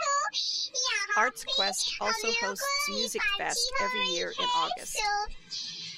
Artsquest also hosts Musikfest every year in August.